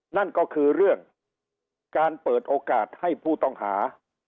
นั่นก็คือเรื่องการเปิดโอกาสให้ผู้ต้องหา